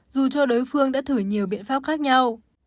dù cho đối phương đã thử nhiều biện pháp khác nhau